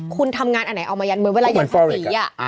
คุณทำงานอันไหนเอามาเรียนเหมือนวันวันเก็บหน้าตี